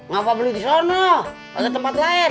ngapa beli di sana ada tempat lain